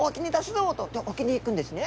で沖に行くんですね。